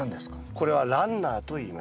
これはランナーといいます。